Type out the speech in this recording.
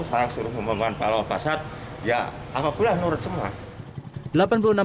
saya suruh pembahasan pak lawan pasar ya apabila menurut semua